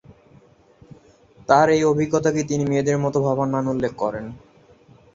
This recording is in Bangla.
তার এই অভিজ্ঞতাকে তিনি "মেয়েদের মত ভাবা" নামে উল্লেখ করেন।